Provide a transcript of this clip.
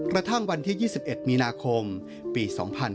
กระทั่งวันที่๒๑มีนาคมปี๒๕๕๙